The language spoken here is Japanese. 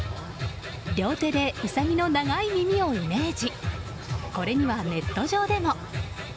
両手でウサギの長い耳をイメージ。